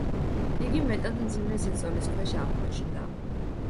იგი მეტად მძიმე ზეწოლის ქვეშ აღმოჩნდა.